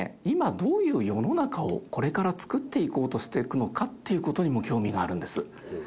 今どういう世の中をこれから作っていこうとしていくのかっていう事にも興味があるんです。